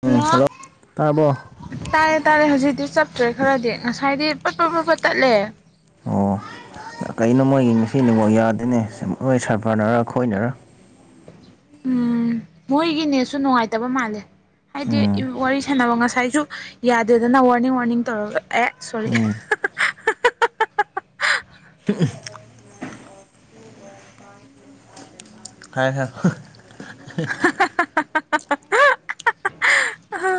ꯎꯝ ꯂꯣ ꯍꯜꯂꯣ ꯇꯥꯔꯕꯣ ꯇꯥꯔꯦ ꯇꯥꯔꯦ ꯍꯧꯖꯤꯛꯇꯤ ꯆꯞ ꯇ꯭ꯔꯦ ꯈꯔꯗꯤ ꯉꯁꯥꯏꯗꯤ ꯄꯠ ꯄꯠ ꯄꯠ ꯇꯠꯂꯦ ꯑꯣ ꯀꯩꯅꯣ ꯃꯣꯏꯒꯤ ꯉꯁꯤ ꯅꯦꯠꯋꯥꯛ ꯌꯥꯗꯦꯅꯦ ꯅꯣꯏ ꯁꯔꯚꯔ ꯅꯔ ꯑꯈꯣꯏꯅꯔ ꯎꯝ ꯃꯣꯏꯒꯤ ꯅꯦꯠꯁꯨ ꯅꯨꯡꯉꯥꯏꯇꯕ ꯃꯥꯜꯂꯦ ꯍꯥꯏꯗꯤ ꯎꯝ ꯋꯥꯔꯤ ꯁꯥꯟꯅꯕ ꯉꯁꯥꯏꯖꯨ ꯌꯥꯗꯦꯗꯅꯥ ꯋꯥꯔꯅꯤꯡ ꯋꯥꯔꯅꯤꯡ ꯇꯧꯔꯒ ꯑꯦ ꯁꯣꯔꯤ ꯍꯥ ꯎꯝ ꯍꯥ ꯍꯥ ꯍꯥ ꯈꯥꯏ ꯈꯥꯏ ꯍꯨꯡ ꯍꯨꯡ ꯍꯥ ꯍꯥ ꯍꯥ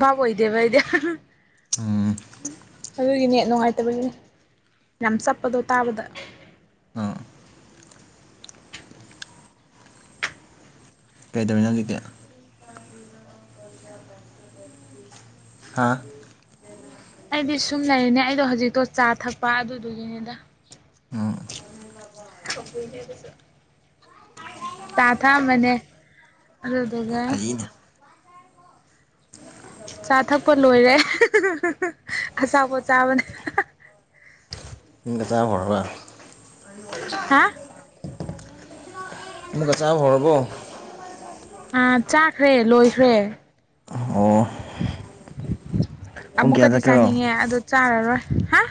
ꯕꯞ ꯑꯣꯏꯗꯦꯕꯥ ꯑꯩꯗꯤ ꯎꯝ ꯑꯗꯨꯒꯤꯅꯦ ꯅꯨꯡꯉꯥꯏꯇꯕꯒꯤꯅꯦ ꯌꯥꯝ ꯆꯞꯄꯗꯣ ꯇꯥꯔꯤꯕ [inaudible] ꯎꯝ ꯀꯩꯗꯧꯅꯔꯤꯒꯦ ꯍꯥꯥ ꯑꯩꯗꯤ ꯁꯨꯝ ꯂꯩꯔꯤꯅꯦ ꯑꯩꯗꯣ ꯍꯧꯖꯤꯛꯇꯣ ꯆꯥ ꯊꯛꯄ ꯑꯗꯨꯗꯨꯒꯤꯅꯦꯗ ꯎꯝ ꯑꯈꯣꯏꯅꯦ ꯑꯗꯨꯁꯨ ꯇꯥ ꯊꯛꯑꯝꯕꯅꯦ ꯑꯗꯨꯗꯨꯒ ꯐꯩꯅꯦ ꯆꯥ ꯊꯛꯄ ꯂꯣꯏꯔꯦ ꯍꯦ ꯍꯦ ꯍꯦ ꯑꯆꯥꯄꯣꯠ ꯆꯥꯕꯅꯦ ꯌꯨꯝꯗ ꯆꯥ ꯍꯧꯔꯕ ꯍꯥ ꯑꯃꯨꯛꯀ ꯆꯥꯕ ꯍꯧꯔꯕꯣ ꯑꯥ ꯆꯥꯈ꯭ꯔꯦ ꯂꯣꯏꯈ꯭ꯔꯦ ꯑꯣ ꯄꯨꯡ ꯀꯌꯥ ꯑꯃꯨꯛꯀꯗꯤ ꯆꯠꯀꯦꯔꯣ ꯆꯥꯅꯤꯡꯉꯦ ꯑꯗꯨ ꯆꯥꯔꯔꯣꯏ ꯍꯥ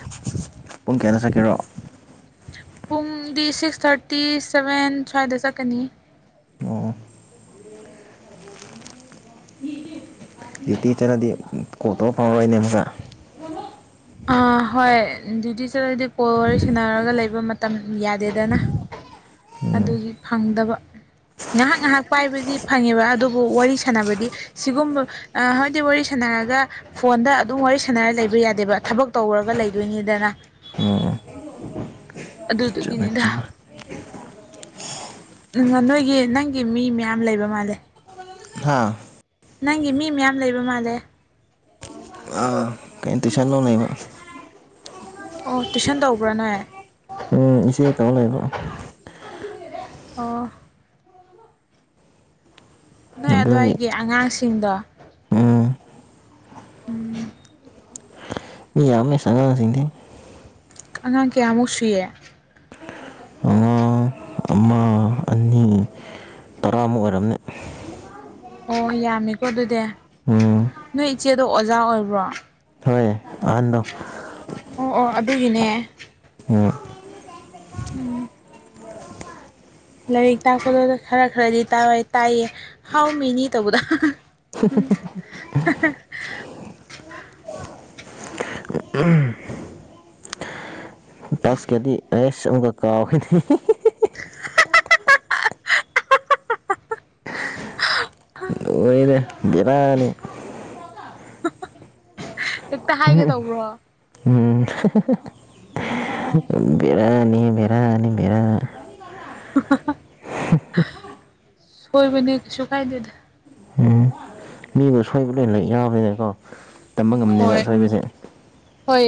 ꯄꯨꯡ ꯀꯌꯥꯗ ꯆꯠꯀꯦꯔꯣ ꯄꯨꯡꯗꯤ ꯁꯤꯛꯁ ꯊꯥꯔꯇꯤ ꯁꯚꯦꯟ ꯁ꯭ꯋꯥꯏꯗ ꯆꯠꯀꯅꯤ ꯑꯣ ꯗꯌꯨꯇꯤ ꯆꯠꯔꯗꯤ ꯀꯣꯜꯇꯧꯕ ꯐꯥꯡꯉꯔꯣꯏꯅꯦ ꯑꯃꯨꯛꯀ ꯑꯥ ꯑꯍꯣꯏ ꯗ꯭ꯨꯌꯇꯤ ꯆꯠꯂꯗꯤ ꯀꯣꯜ ꯋꯥꯔꯤ ꯁꯥꯟꯅꯔꯒ ꯂꯩꯕ ꯃꯇꯝ ꯌꯥꯗꯦꯗꯅ ꯎꯝ ꯑꯗꯨꯒꯤ ꯐꯪꯗꯕ ꯉꯥꯏꯍꯥꯛ ꯉꯥꯏꯍꯥꯛ ꯄꯥꯏꯕꯗꯤ ꯐꯪꯉꯦꯕ ꯑꯗꯨꯕꯨ ꯋꯥꯔꯤ ꯁꯥꯟꯅꯕꯗꯤ ꯁꯤꯒꯨꯝꯕ ꯍꯥꯏꯗꯤ ꯋꯥꯔꯤ ꯁꯅ ꯁꯥꯟꯅꯔꯒ ꯐꯣꯟꯗ ꯑꯗꯨꯝ ꯋꯥꯔꯤ ꯁꯥꯟꯅꯔꯒ ꯂꯩꯕ ꯌꯥꯗꯦꯕ ꯊꯕꯛ ꯇꯧꯔꯒ ꯂꯩꯗꯣꯏꯅꯤꯗꯅ ꯎꯝ ꯆꯨꯝꯃꯦ ꯑꯗꯨꯗꯨꯒꯤꯅꯤꯗ ꯆꯨꯝꯃꯦ ꯎꯝ ꯅꯣꯏꯒꯤ ꯅꯪꯒꯤ ꯃꯤ ꯃꯌꯥꯝ ꯂꯩꯕ ꯃꯥꯜꯂꯦ ꯍꯥ ꯅꯪꯒꯤ ꯃꯤ ꯃꯌꯥꯝ ꯂꯩꯕ ꯃꯥꯜꯂꯦ ꯑꯥ ꯇꯨꯏꯁꯟ ꯂꯧꯂꯩꯕ ꯑꯣ ꯇꯨꯏꯁꯟ ꯇꯧꯕ꯭ꯔꯣ ꯅꯣꯏ ꯎꯝ ꯏꯆꯦ ꯇꯧ ꯂꯩꯕ ꯑꯣ ꯅꯣꯏ ꯑꯗꯨꯒꯤ ꯑꯗꯨꯋꯥꯏꯒꯤ ꯑꯉꯥꯡꯁꯤꯡꯗꯣ ꯎꯝ ꯎꯝ ꯃꯤ ꯌꯥꯝꯃꯦ ꯑꯉꯥꯡꯁꯤꯡꯗꯤ ꯑꯉꯥꯡ ꯀꯌꯥꯃꯨꯛ ꯁꯨꯏꯌꯦ ꯑꯉꯥꯡ ꯑꯃ ꯑꯅꯤ ꯇꯔꯥꯃꯨꯛ ꯑꯣꯏꯔꯝꯅꯤ ꯑꯣ ꯌꯥꯝꯃꯤꯀꯣ ꯑꯗꯨꯗꯤ ꯎꯝ ꯅꯣꯏ ꯏꯆꯦꯗꯣ ꯑꯣꯖꯥ ꯑꯣꯏꯕ꯭ꯔꯣ ꯍꯣꯏ ꯑꯍꯟꯗꯣ ꯑꯣ ꯑꯣ ꯑꯗꯨꯒꯤꯅꯦ ꯎꯝ ꯎꯝ ꯂꯥꯏꯔꯤꯛ ꯇꯥꯛꯄꯗꯣ ꯈꯔ ꯈꯔꯗꯤ ꯇꯥꯏ ꯇꯥꯏꯌꯦ ꯍꯥꯎ ꯃꯦꯅꯤ ꯇꯧꯕꯗꯣ [unintelligible] ꯍꯥ ꯍꯥ ꯇꯛꯁꯀꯗꯤ ꯑꯦꯁ ꯑꯃꯨꯛꯀ ꯀꯥꯎꯈꯤꯅꯤ ꯑꯥ ꯕꯦꯔꯅꯤ ꯍꯦꯛꯇ ꯍꯥꯏꯒꯦ ꯇꯧꯕ꯭ꯔꯣ ꯎꯝ [unintelligible] ꯑꯥꯎ ꯕꯦꯔꯥꯅꯤ ꯕꯦꯔꯥꯅꯤ ꯕꯦꯔꯥ ꯁꯣꯏꯕꯅꯦ ꯀꯩꯁꯨ ꯀꯥꯏꯗꯦꯗ ꯁꯤꯕꯨ ꯁꯣꯏꯕꯅꯦ ꯂꯩ ꯌꯥꯎꯕꯅꯤꯅꯀꯣ ꯇꯝꯕ ꯉꯝꯗꯦꯕ ꯍꯣꯏ ꯁꯣꯏꯕꯁꯦ ꯍꯣꯏ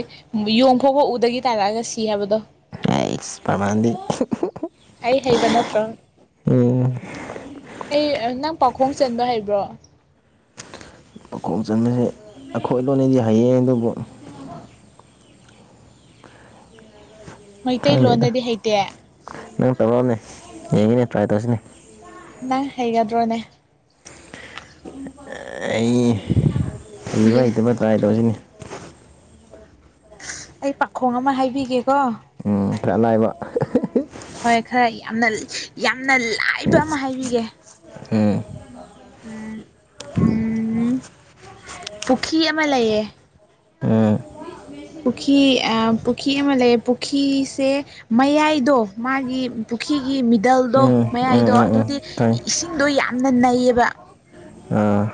ꯌꯣꯡ ꯐꯥꯎꯕ ꯎꯗꯒꯤ ꯇꯥꯔꯛꯑꯒ ꯁꯤ ꯍꯥꯏꯕꯗꯣ ꯑꯏꯁ ꯄ꯭ꯔꯃꯥꯟꯗꯤ ꯑꯩ ꯍꯩꯕ ꯅꯠꯇ꯭ꯔꯣ ꯎꯝ ꯑꯩ ꯅꯪ ꯄꯥꯈꯣꯡ ꯆꯟꯕ ꯍꯩꯕ꯭ꯔꯣ ꯈꯣꯡ ꯆꯟꯕꯁꯦ ꯑꯩꯈꯣꯏ ꯂꯣꯟꯗꯗꯤ ꯍꯩꯌꯦ ꯑꯗꯨꯕꯨ ꯃꯩꯇꯩꯂꯣꯟꯗꯗꯤ ꯍꯩꯇꯦ ꯇꯧꯔꯛꯑꯃꯦ ꯌꯦꯡꯒꯦꯅꯦ ꯇ꯭ꯔꯥꯏ ꯇꯧꯁꯤꯅꯦ ꯅꯪ ꯍꯩꯒꯗ꯭ꯔꯣꯅꯦ ꯑꯩ ꯍꯩꯕ ꯑꯦ ꯍꯩꯇꯕ ꯇ꯭ꯔꯥꯏ ꯇꯧꯁꯤꯅꯦ ꯑꯩ ꯄꯥꯈꯣꯡ ꯑꯃ ꯍꯥꯏꯕꯤꯒꯦꯀꯣ ꯎꯝ ꯈꯔ ꯂꯥꯏꯕ ꯍꯣꯏ ꯈꯔ ꯌꯥꯝꯅ ꯌꯥꯝꯅ ꯂꯥꯏꯕ ꯑꯃ ꯍꯥꯏꯕꯤꯒꯦ ꯎꯝ ꯎꯝ ꯎꯝ ꯄꯨꯈꯤ ꯑꯃ ꯂꯩꯌꯦ ꯎꯝ ꯄꯨꯈꯤ ꯑꯥ ꯄꯨꯈꯤ ꯑꯃ ꯂꯩ ꯄꯨꯈꯤꯁꯦ ꯃꯌꯥꯏꯗꯣ ꯃꯥꯒꯤ ꯄꯨꯈꯤꯒꯤ ꯃꯤꯗꯜꯗꯣ ꯎꯝ ꯃꯌꯥꯏꯗꯣ ꯎꯝ ꯎꯝ ꯎꯝ ꯑꯗꯨꯗꯤ ꯈꯪꯉꯦ ꯏꯁꯤꯡꯗꯣ ꯌꯥꯝꯅ ꯅꯩꯌꯦꯕ ꯑꯥ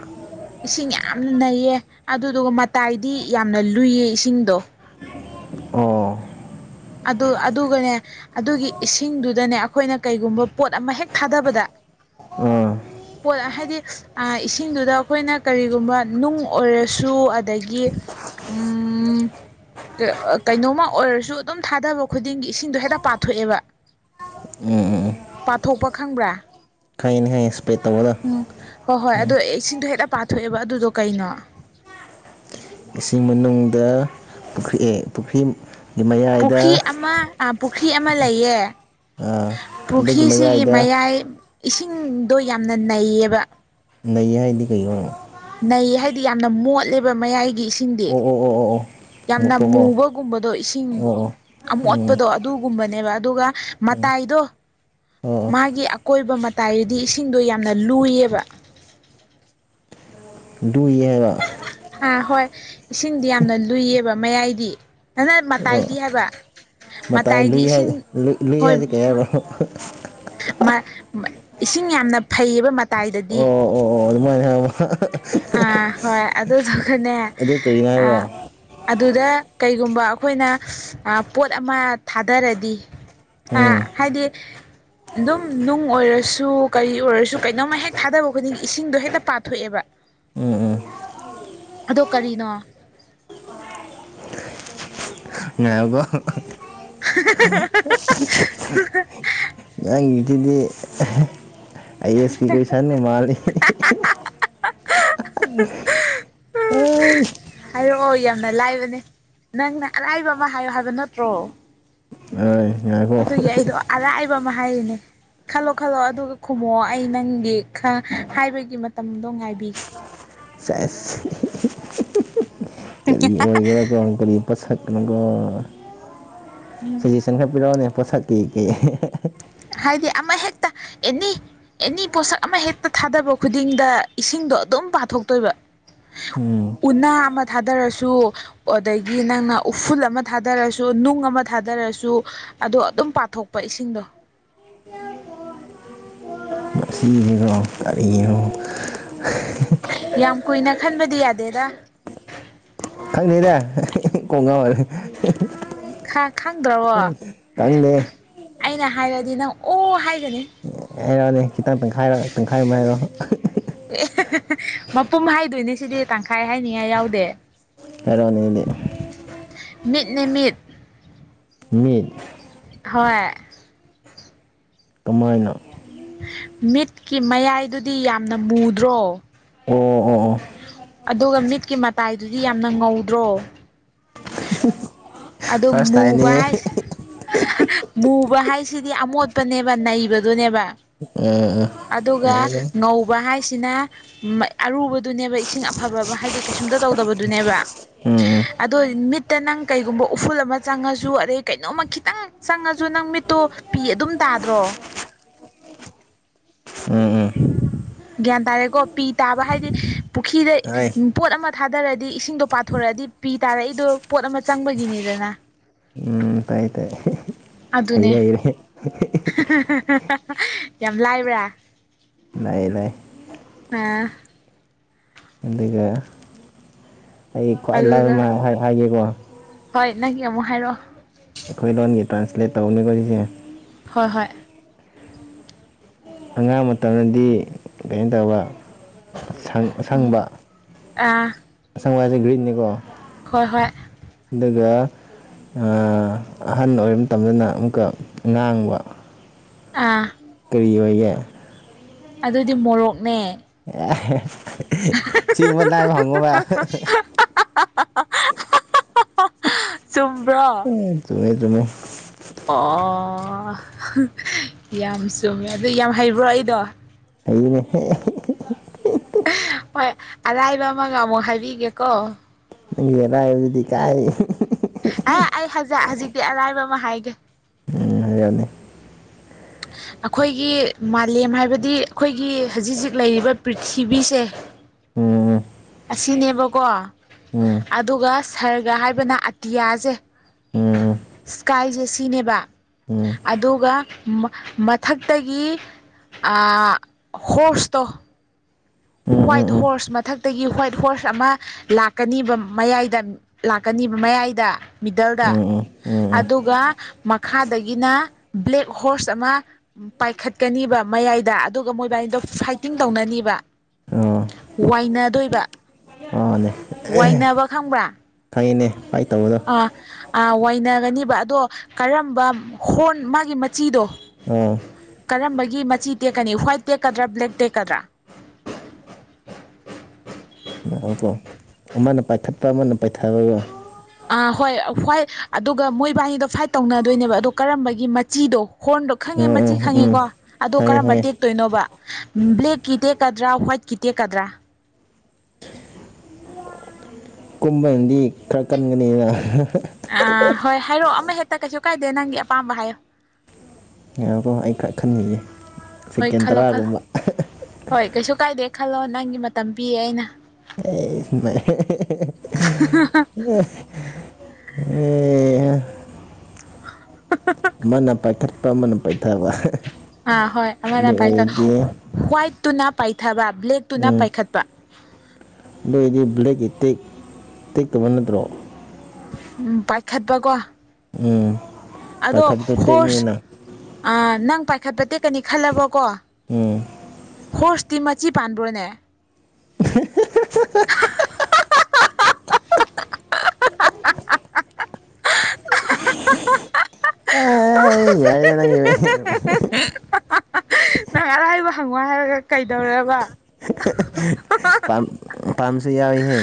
ꯏꯁꯤꯡ ꯌꯥꯝꯅ ꯅꯩꯌꯦ ꯑꯗꯨꯗꯨꯒ ꯃꯇꯥꯏꯗꯤ ꯌꯥꯝꯅ ꯂꯨꯏꯌꯦ ꯏꯁꯤꯡꯗꯣ ꯑꯣ ꯑꯗꯨ ꯑꯗꯨꯒꯅꯦ ꯑꯗꯨꯒꯤ ꯏꯁꯤꯡꯗꯨꯗꯅꯦ ꯑꯩꯈꯣꯏꯅ ꯀꯩꯒꯨꯝꯕ ꯄꯣꯠ ꯑꯃ ꯍꯦꯛ ꯊꯥꯗꯕꯗ ꯑꯥ ꯎꯝ [inaudible] ꯄꯣꯠ ꯍꯥꯏꯗꯤ ꯏꯁꯤꯡꯗꯨꯗ ꯑꯩꯈꯣꯏꯅ ꯀꯔꯤꯒꯨꯝꯕ ꯅꯨꯡ ꯑꯣꯏꯔꯁꯨ ꯑꯗꯒꯤ ꯎꯝ ꯀꯩ ꯀꯩꯅꯣꯃ ꯑꯣꯏꯔꯁꯨ ꯑꯗꯨꯝ ꯊꯥꯗꯕ ꯈꯨꯗꯤꯡꯒꯤ ꯏꯁꯤꯡꯗꯣ ꯍꯦꯛꯇ ꯄꯥꯊꯣꯛꯑꯦꯕ ꯎꯝ ꯎꯝ ꯄꯥꯊꯣꯛꯄ ꯈꯪꯕ꯭ꯔꯥ ꯈꯪꯉꯦꯅꯦ ꯈꯪꯉꯦ ꯏꯁꯄ꯭ꯔꯦꯠ ꯇꯧꯕꯗꯣ ꯎꯝ ꯍꯣꯏ ꯍꯣꯏ ꯑꯗꯣ ꯏꯁꯤꯡꯗꯣ ꯍꯦꯛꯇ ꯄꯥꯊꯣꯛꯑꯦꯕ ꯑꯗꯨꯗꯣ ꯀꯩꯅꯣ ꯏꯁꯤꯡ ꯃꯅꯨꯡꯗ ꯄꯨꯈ꯭ꯔꯤ ꯄꯨꯈ꯭ꯔꯤ ꯄꯨꯈꯤ ꯑꯃ ꯄꯨꯈꯤ ꯑꯃ ꯂꯩꯌꯦ ꯑꯥ ꯑꯗꯨꯒꯤ ꯄꯨꯈꯤꯁꯤꯒꯤ ꯃꯌꯥꯏꯗ ꯃꯌꯥꯏ ꯏꯁꯤꯡꯗꯣ ꯌꯥꯝꯅ ꯅꯩꯌꯦꯕ ꯅꯩꯌꯦ ꯍꯥꯏꯗꯤ ꯀꯩꯔꯣ ꯅꯩ ꯍꯥꯏꯗꯤ ꯌꯥꯝꯅ ꯃꯣꯠꯂꯦꯕ ꯃꯌꯥꯏꯒꯤ ꯏꯁꯤꯡꯗꯤ ꯑꯣ ꯑꯣ ꯑꯣ ꯑꯣ ꯑꯣ ꯌꯥꯝꯅ ꯃꯨꯛꯄꯀꯣ ꯃꯨꯕꯒꯨꯝꯕꯗꯣ ꯏꯁꯤꯡ ꯑꯣ ꯑꯣ ꯑꯃꯣꯠ ꯎꯝ ꯄꯗꯣ ꯑꯗꯨꯒꯨꯝꯕꯅꯦꯕ ꯑꯗꯨꯒ ꯎꯝ ꯃꯇꯥꯏꯗꯣ ꯑꯣ ꯑꯣ ꯃꯥꯒꯤ ꯑꯀꯣꯏꯕ ꯃꯇꯥꯏꯗꯤ ꯏꯁꯤꯡꯗꯣ ꯌꯥꯝꯅ ꯂꯨꯏꯌꯦꯕ ꯂꯨꯏꯌꯦ ꯑꯥ ꯍꯣꯏ ꯏꯁꯤꯡꯗꯤ ꯌꯥꯝꯅ ꯂꯨꯏꯌꯦꯕ ꯃꯌꯥꯏꯒꯤ ꯅꯅ ꯑꯣ ꯃꯇꯥꯏꯗꯤ ꯍꯥꯏꯕ ꯃꯇꯥꯏ ꯃꯇꯥꯏꯗꯤ ꯂꯨꯏ ꯍꯥꯏ ꯏꯁꯤꯡ ꯂꯨꯏ ꯍꯣꯏ ꯍꯥꯏꯁꯦ ꯀꯩ ꯍꯥꯏꯕ꯭ꯔꯣ ꯃ ꯃ ꯏꯁꯤꯡ ꯌꯥꯝꯅ ꯐꯩꯌꯦꯕ ꯑꯣ ꯃꯇꯥꯏꯗꯗꯤ ꯑꯣ ꯑꯣ ꯑꯗꯨꯃꯥꯏꯅ ꯍꯥꯏꯕ ꯑꯥ ꯍꯣꯏ ꯑꯗꯨꯗꯨꯒꯅꯦ ꯑꯥ ꯑꯗꯨ ꯀꯔꯤꯅꯣ ꯑ ꯍꯥꯏꯕ꯭ꯔꯣ ꯑꯗꯨꯗ ꯀꯩꯒꯨꯝꯕ ꯑꯩꯈꯣꯏꯅ ꯄꯣꯠ ꯑꯃ ꯊꯥꯗꯔꯗꯤ ꯑꯥ ꯎꯝ ꯍꯥꯏꯗꯤ ꯑꯗꯨꯝ ꯅꯨꯡ ꯑꯣꯏꯔꯁꯨ ꯀꯔꯤ ꯑꯣꯏꯔꯁꯨ ꯀꯩꯅꯣꯝꯃ ꯍꯦꯛ ꯊꯥꯗꯕ ꯈꯨꯗꯤꯡꯒꯤ ꯏꯁꯤꯡꯗꯣ ꯍꯦꯛꯇ ꯄꯥꯊꯣꯛꯑꯦꯕ ꯎꯝ ꯎꯝ ꯑꯗꯣ ꯀꯔꯤꯅꯣ ꯉꯥꯏꯌꯨꯀꯣ ꯍꯥ ꯍ ꯥꯑꯁ ꯅꯪꯒꯤ ꯁꯤꯗꯤ ꯑꯥꯏ ꯑꯦꯁꯀꯤ ꯀꯣꯏꯁꯟ ꯃꯥꯜꯂꯦ ꯍꯥꯏꯔꯛꯑꯣ ꯌꯥꯝꯅ ꯂꯥꯏꯕꯅꯦ ꯅꯪꯅ ꯑꯔꯥꯏꯕ ꯑꯃ ꯍꯥꯏꯌꯣ ꯍꯥꯏꯕ ꯅꯠꯇ꯭ꯔꯣ ꯉꯥꯢꯌꯨꯀꯣ ꯑꯗꯨꯒꯤ ꯑꯩꯗꯣ ꯑꯔꯥꯏꯕ ꯑꯃ ꯍꯥꯏꯔꯤꯅꯦ ꯈꯜꯂꯣ ꯈꯜꯂꯣ ꯑꯗꯨꯒ ꯈꯨꯝꯃꯛꯑꯣ ꯑꯩ ꯅꯪꯒꯤ ꯈꯔ ꯍꯥꯏꯕꯒꯤ ꯃꯇꯝꯗꯣ ꯉꯥꯏꯕꯤꯒꯦ [inaudible] ꯁꯦꯁ ꯍꯤ ꯍꯤ [unintelligible] ꯀꯩꯒꯤꯔꯥ ꯗꯣꯡ ꯀꯔꯤ ꯄꯣꯠꯁꯛ ꯀꯣ ꯁꯖꯦꯁꯟ ꯈꯔ ꯄꯤꯔꯛꯑꯣꯅꯦ ꯄꯣꯁꯛꯀꯤ ꯀꯩ ꯑꯦꯍꯦ ꯍꯦ ꯍꯥꯏꯗꯤ ꯑꯃꯍꯦꯛꯇ ꯑꯦꯅꯤ ꯑꯦꯅꯤ ꯄꯣꯠꯁꯛ ꯑꯃ ꯍꯦꯛꯇ ꯊꯥꯗꯕ ꯈꯨꯗꯤꯡꯗ ꯏꯁꯤꯡꯗꯣ ꯑꯗꯨꯝ ꯄꯥꯊꯣꯛꯇꯣꯏꯕ ꯎꯝ ꯎꯅꯥ ꯑꯃ ꯊꯥꯗꯔꯁꯨ ꯑꯗꯒꯤ ꯅꯪꯅ ꯎꯐꯨꯜ ꯑꯃ ꯊꯥꯗꯔꯁꯨ ꯅꯨꯡ ꯑꯃ ꯊꯥ ꯗꯔꯁꯨ ꯑꯗꯣ ꯑꯗꯨꯝ ꯄꯥꯊꯣꯛꯄ ꯏꯁꯤꯡꯗꯣ ꯃꯁꯤꯁꯤꯀꯣ ꯀꯔꯤꯅꯣ ꯎꯝ ꯌꯥꯝ ꯀꯨꯏꯅ ꯈꯟꯕꯗꯤ ꯌꯥꯗꯦꯗꯥ ꯈꯪꯗꯦꯗꯥ ꯀꯣꯛ ꯉꯥꯎꯌꯦ ꯈꯥ ꯈꯪꯗ꯭ꯔꯕꯣ ꯈꯪꯗꯦ ꯑꯩꯅ ꯍꯥꯏꯔꯗꯤ ꯅꯪ ꯑꯣ ꯍꯥꯏꯒꯅꯤ ꯍꯥꯏꯔꯛꯑꯣꯅꯦ ꯈꯤꯇꯪ ꯇꯪꯈꯥꯏꯔ ꯇꯪꯈꯥꯏ ꯑꯃ ꯍꯥꯏꯔꯛꯑꯣ ꯑꯦ ꯍꯦ ꯍꯦ ꯃꯄꯨꯝ ꯍꯥꯏꯗꯣꯏꯅꯦ ꯁꯤꯗꯤ ꯇꯪꯈꯥꯏ ꯍꯥꯏꯅꯤꯉꯥꯏ ꯌꯥꯎꯗꯦ ꯍꯥꯏꯔꯛꯑꯣꯅꯦ ꯑꯗꯨꯗꯤ ꯃꯤꯠꯅꯦ ꯃꯤꯠ ꯃꯤꯠ ꯍꯣꯏ ꯀꯃꯥꯏꯅ ꯃꯤꯠꯀꯤ ꯃꯌꯥꯏꯗꯨꯗꯤ ꯌꯥꯝꯅ ꯃꯨꯗ꯭ꯔꯣ ꯑꯣ ꯑꯣ ꯑꯣ ꯑꯗꯨꯒ ꯃꯤꯠꯀꯤ ꯃꯇꯥꯏꯗꯨꯗꯤ ꯌꯥꯝꯅ ꯉꯧꯗ꯭ꯔꯣ ꯑꯗꯣ ꯐꯥꯔꯁ ꯃꯨꯕ ꯇꯥꯏꯝꯅꯦ ꯍꯥꯏꯁ ꯃꯨꯕ ꯍꯥꯏꯁꯤꯗꯤ ꯑꯃꯣꯠꯄꯅꯦꯕ ꯅꯩꯕꯗꯨꯅꯦꯕ ꯑꯥ ꯑꯥ ꯑꯗꯨꯒ ꯉꯧꯕ ꯍꯥꯏꯁꯤꯅ ꯃ ꯑꯔꯨꯕꯗꯨꯅꯦꯕ ꯏꯁꯤꯡ ꯑꯐꯕ ꯕ ꯍꯥꯏꯗꯤ ꯀꯩꯁꯨꯝꯇ ꯇꯧꯗꯕꯗꯨꯅꯦꯕꯥ ꯎꯝ ꯎꯝ ꯑꯗꯣ ꯃꯤꯠꯇ ꯅꯪ ꯀꯩꯒꯨꯝꯕ ꯎꯐꯨꯜ ꯑꯃ ꯆꯪꯉꯖꯨ ꯑꯗꯩ ꯀꯩꯅꯣꯝꯃ ꯈꯤꯇꯪ ꯆꯪꯉꯖꯨ ꯅꯪ ꯃꯤꯠꯇꯣ ꯄꯤ ꯑꯗꯨꯝ ꯇꯥꯗ꯭ꯔꯣ [inaudible] ꯎꯝ ꯎꯝ ꯒ꯭ꯌꯥꯟ ꯇꯥꯔꯦꯀꯣ ꯄꯤ ꯇꯥꯕ ꯍꯥꯏꯗꯤ ꯄꯨꯈꯤꯗ ꯍꯣꯏ ꯄꯣꯠ ꯑꯃ ꯊꯥꯗꯔꯗꯤ ꯏꯁꯤꯡꯗꯣ ꯄꯥꯊꯣꯔꯛ ꯑꯗꯤ ꯄꯤ ꯇꯥꯔꯛꯏꯗꯣ ꯄꯣꯠ ꯑꯃ ꯆꯪꯕꯒꯤꯅꯤꯗꯅꯥ ꯎꯝ ꯇꯥꯏꯌꯦ ꯇꯥꯏꯌꯦ ꯍꯩꯔꯦ ꯍꯩꯔꯦ ꯍꯥ ꯍꯥ ꯍꯥ ꯌꯥꯝ ꯂꯥꯏꯕ꯭ꯔꯥ ꯂꯥꯛꯑꯦ ꯂꯥꯛꯑꯦ ꯑꯥ ꯑꯗꯨꯒ ꯑꯩ ꯈ꯭ꯋꯥꯏ ꯂꯥꯏꯕ ꯑꯗꯨꯒ ꯃꯌꯥꯝ ꯍꯥꯏ ꯍꯥꯏꯒꯦꯀꯣ ꯍꯣꯏ ꯅꯪꯒꯤ ꯑꯃꯨꯛ ꯍꯥꯏꯔꯛꯑꯣ ꯑꯩꯈꯣꯏ ꯂꯣꯟꯒꯤ ꯇ꯭ꯔꯥꯟꯁꯂꯦꯠ ꯇꯧꯅꯤꯀꯣ ꯑꯩꯁꯦ ꯍꯣꯏ ꯍꯣꯏ ꯑꯉꯥꯡ ꯃꯇꯝꯗꯗꯤ ꯀꯩꯅꯣ ꯇꯧꯕ ꯎꯝ ꯑꯁꯪꯕ ꯑꯥ ꯁꯪꯉꯣ ꯍꯥꯏꯖꯦ ꯒ꯭ꯔꯤꯟꯅꯤꯀꯣ ꯍꯣꯏ ꯍꯣꯏ ꯑꯗꯨꯒꯥ ꯑꯥ ꯑꯍꯟ ꯑꯣꯏꯕ ꯃꯇꯝꯗꯅ ꯑꯃꯨꯛꯀ ꯉꯥꯡꯕ ꯑꯥ ꯀꯔꯤ ꯑꯣꯏꯒꯦ ꯑꯗꯨꯗꯤ ꯃꯣꯔꯣꯛꯅꯦ ꯑꯥ ꯍꯦ ꯍꯦ ꯁꯤꯒꯨꯝꯕ ꯂꯥꯏꯕ ꯍꯪꯉꯣꯔꯥ ꯍꯥ ꯍꯥ ꯆꯨꯝꯕ꯭ꯔꯣ ꯑꯦ ꯆꯨꯝꯃꯦ ꯆꯨꯝꯃꯦ ꯑꯥ ꯑꯣ ꯌꯥꯝ ꯆꯨꯝꯃꯦ ꯑꯗꯨ ꯌꯥꯝ ꯍꯩꯕ꯭ꯔꯣ ꯑꯩꯗꯣ ꯍꯩꯅꯦ ꯍꯦ ꯍꯦ ꯍꯦ ꯍꯤ ꯍꯣꯏ ꯑꯔꯥꯏꯕ ꯑꯃꯒ ꯑꯃꯨꯛ ꯍꯥꯏꯕꯤꯒꯦꯀꯣ ꯅꯪꯒꯤ ꯑꯔꯥꯏꯕꯗꯨꯗꯤ ꯀꯥꯏꯗꯒꯤ ꯑꯥ ꯑꯩꯖꯤ ꯍꯧꯖꯤꯛꯇꯤ ꯑꯔꯥꯏꯕ ꯑꯃ ꯍꯥꯏꯒꯦ ꯌꯥꯅꯤꯌꯥꯅꯤ [inaudible] ꯑꯩꯈꯣꯏꯒꯤ ꯃꯥꯂꯦꯝ ꯍꯥꯏꯕꯗꯤ ꯑꯩꯈꯣꯏꯒꯤ ꯍꯧꯖꯤꯛ ꯍꯧꯖꯤꯛ ꯂꯩꯔꯤꯕ ꯄ꯭ꯔꯤꯊꯤꯕꯤꯁꯦ [inaudible] ꯎꯝ ꯑꯁꯤꯅꯦꯕꯀꯣ ꯎꯝ ꯑꯗꯨꯒ ꯁꯔꯒ ꯍꯥꯏꯕꯅ ꯑꯇꯤꯌꯥꯁꯦ ꯎꯝ ꯁ꯭ꯀꯥꯏꯖꯦ ꯁꯤꯅꯦꯕ ꯎꯝ ꯑꯗꯨꯒ ꯃꯊꯛꯇꯒꯤ ꯑꯥ ꯍꯣꯔꯁꯇꯣ ꯎꯝ ꯎꯝ ꯍ꯭ꯋꯥꯠ ꯎꯝ ꯍꯣꯔꯁ ꯃ ꯃꯊꯛꯇꯒꯤ ꯍ꯭ꯋꯥꯏꯠ ꯍꯣꯔꯁ ꯑꯃ ꯂꯥꯛꯀꯅꯤꯕ ꯃꯌꯥꯏꯗ ꯂꯥꯛꯀꯅꯤꯕ ꯃꯌꯥꯏꯗ ꯃꯤꯗ ꯗꯜꯗ ꯎꯝ ꯎꯝ ꯎꯝ ꯎꯝ ꯑꯗꯨꯒ ꯃꯈꯥꯗꯒꯤꯅ ꯕ꯭ꯂꯦꯛ ꯍꯣꯔꯁ ꯑꯃ ꯄꯥꯏꯈꯠꯀꯅꯤ ꯃꯌꯥꯏꯗ ꯑꯗꯨꯒ ꯃꯣꯏꯕꯥꯏꯅꯤꯗꯣ ꯐꯥꯏꯇꯤꯡ ꯇꯧꯅꯅꯤꯕ ꯑꯣ ꯋꯥꯏꯅꯗꯣꯏꯕ ꯑꯣꯅꯦ ꯋꯥꯏꯅꯕ ꯈꯪꯕ꯭ꯔꯥ ꯈꯪꯉꯤꯅꯦ ꯐꯥꯏꯠ ꯇꯧꯕꯗꯣ ꯑꯥ ꯋꯥꯏꯅꯒꯅꯦꯕ ꯑꯗꯣ ꯀꯔꯝꯕ ꯍꯣꯔꯟ ꯃꯥꯒꯤ ꯃꯆꯤꯗꯣ ꯑꯣ ꯀꯔꯝꯕꯒꯤ ꯃꯆꯤ ꯇꯦꯛꯀꯅꯤ ꯍ꯭ꯋꯥꯏꯠ ꯇꯦꯛꯀꯗ꯭ꯔꯥ ꯕ꯭ꯂꯦꯛ ꯇꯦꯛꯀꯗ꯭ꯔꯥ [unintelligible] ꯑꯃꯅ ꯄꯥꯏꯈꯠꯄ ꯑꯃꯅ ꯄꯥꯏꯊꯕꯒ ꯑꯥ ꯍꯣꯏ ꯍꯣꯏ ꯑꯗꯨꯒ ꯃꯣꯏꯕꯥꯅꯤꯗꯣ ꯐꯥꯏꯠ ꯇꯧꯅꯗꯣꯏꯅꯦꯕ ꯑꯗꯣ ꯀꯔꯝꯕꯒꯤ ꯃꯆꯤꯗꯣ ꯍꯣꯔꯟꯗꯣ ꯎꯝ ꯈꯪꯉꯦ ꯃꯆꯤ ꯎꯝ ꯎꯝ ꯈꯪꯉꯦꯀꯣ ꯑꯗꯣ ꯈꯪꯉꯦ ꯀꯔꯝꯕ ꯈꯪꯉꯦ ꯇꯦꯛꯇꯣꯏꯅꯣꯕ ꯕ꯭ꯂꯦꯛꯀꯤ ꯀꯗ꯭ꯔꯥ ꯍ꯭ꯋꯥꯏꯠꯀꯤ ꯇꯦꯛꯀꯗ꯭ꯔꯥ ꯀꯨꯝꯕꯅꯗꯤ ꯈꯔ ꯀꯟꯒꯅꯤꯅ ꯑꯥ ꯍꯣꯏ ꯍꯥꯏꯔꯛꯑꯣ ꯑꯃ ꯍꯦꯛꯇ ꯀꯩꯁꯨ ꯀꯥꯏꯗꯦ ꯅꯪꯒꯤ ꯑꯄꯥꯝꯕ ꯍꯥꯏꯌꯣ ꯉꯏꯌꯣꯀꯣ ꯑꯩ ꯈꯔ ꯈꯟꯕꯤꯒꯦ ꯍꯣꯏ ꯁꯦꯀꯦꯟ ꯈꯜꯂꯣ ꯈꯜꯂꯣ ꯇꯔꯥꯒꯨꯝꯕ ꯍꯣꯏ ꯀꯩꯁꯨ ꯀꯥꯏꯗꯦ ꯈꯜꯂꯣ ꯅꯪꯒꯤ ꯃꯇꯝ ꯄꯤꯌꯦ ꯑꯩꯅ ꯑꯦ ꯍꯦ ꯍꯦ ꯍꯦ ꯍꯦ ꯑꯦ ꯍꯥ ꯑꯃꯅ ꯄꯥꯏꯈꯠꯄ ꯑꯃꯅ ꯄꯥꯏꯊꯕ ꯑꯥ ꯍꯣꯏ ꯑꯃꯅ ꯑꯗꯨ ꯄꯥꯏꯈꯠ ꯑꯣꯏꯔꯗꯤ ꯍ꯭ꯋꯥꯏꯠꯇꯨꯅ ꯄꯥꯏꯊꯕ ꯕ꯭ꯂꯦꯛꯇꯨꯅ ꯎꯝ ꯄꯥꯏꯈꯠꯄ ꯑꯗꯨ ꯑꯣꯏꯗꯤ ꯕ꯭ꯂꯦꯛꯀꯤ ꯇꯦꯛ ꯇꯦꯛꯇꯨꯕ ꯅꯠꯇ꯭ꯔꯣ ꯎꯝ ꯄꯥꯏꯈꯠꯄ ꯀꯣ ꯎꯝ ꯑꯗꯣ ꯄꯥꯏꯈꯠꯄꯗꯣ ꯍꯣꯔꯁ ꯇꯦꯛꯅꯤꯅ ꯅꯪ ꯄꯥꯏ ꯄꯥꯏꯈꯠꯄ ꯇꯦꯛꯀꯅꯤ ꯈꯜꯂꯕꯀꯣ ꯎꯝ ꯍꯣꯔꯁꯇꯤ ꯃꯆꯤ ꯄꯥꯟꯕ꯭ꯔꯅꯦ ꯌꯥꯏꯗ ꯅꯪꯒꯤꯗꯤ [unintelligible] ꯅꯪ ꯑꯔꯥꯏꯕ ꯍꯪꯉꯣ ꯍꯥꯏꯔꯒ ꯀꯩꯗꯧꯔꯕ ꯄꯝ ꯄꯥꯝꯁꯨ ꯌꯥꯎꯏ ꯍꯦ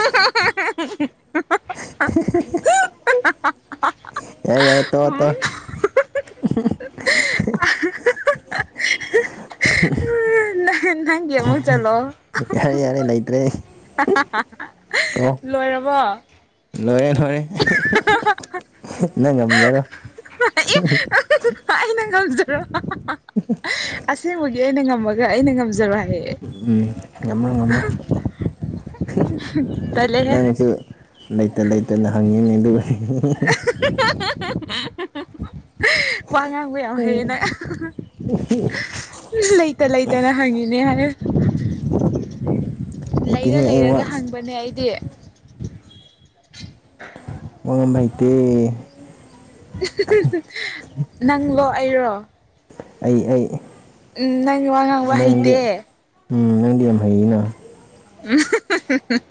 [unintelligible] ꯍꯤ ꯍꯤ ꯍꯤ ꯍꯥ ꯍꯥ ꯍꯥ ꯍꯥ ꯌꯥꯏ ꯌꯥꯏ ꯇꯣꯑꯣ ꯇꯣꯑꯣ ꯅꯪ ꯅꯪꯒꯤ ꯑꯃꯨꯛ ꯆꯜꯂꯛꯑꯣ ꯌꯥꯔꯦ ꯌꯥꯔꯦ ꯂꯩꯇ꯭ꯔꯦ ꯑꯩ ꯍꯥ ꯍꯥ ꯍꯥ ꯂꯣꯏꯔꯕꯣ ꯂꯣꯏꯔꯦ ꯂꯣꯏꯔꯦ ꯅꯪ ꯉꯝꯖꯔꯣ ꯑꯩꯅ ꯉꯝꯖꯔꯣ ꯍꯥ ꯍꯥ ꯍꯥ ꯑꯁꯦꯡꯕꯒꯤ ꯑꯩꯅ ꯉꯝꯃꯒ ꯑꯩꯅ ꯉꯝꯖꯔꯣ ꯍꯥꯏꯔꯛꯑꯦ ꯅꯪ ꯉꯃ꯭ꯔꯣ ꯍꯨꯝ ꯅꯪꯖꯨ ꯂꯩꯇ ꯂꯩꯇꯅ ꯍꯪꯉꯤꯅꯤ ꯑꯗꯨꯒꯗꯤ ꯍꯤ ꯍꯤ [unintelligible] ꯍꯦ ꯍꯦ ꯍꯦ ꯋꯥ ꯉꯥꯡꯕ ꯌꯥꯝ ꯍꯩꯌꯦ ꯅꯪ ꯂꯩꯇ ꯂꯩꯇꯅ ꯍꯪꯉꯤꯅꯦ ꯍꯥꯏꯔꯦ [inaudible] ꯂꯩꯔ ꯂꯩꯇꯦꯍꯦ ꯑꯩ ꯋꯥ ꯂꯩꯔꯒ ꯍꯪꯕꯅꯦ ꯑꯩꯗꯤ ꯋꯥ ꯉꯥꯡꯕ ꯍꯩꯇꯦ [unintelligible] ꯅꯪꯂꯣ ꯑꯩꯔꯣ ꯑꯩ ꯑꯩ ꯎꯝ ꯅꯪ ꯋꯥ ꯉꯥꯡꯕ ꯅꯪꯗꯤ ꯍꯩꯇꯦ ꯎꯝ ꯅꯪꯗꯤ ꯌꯥꯝ ꯍꯩꯩꯅ [unintelligible]